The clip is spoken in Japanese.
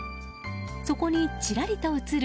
そこにちらりと映る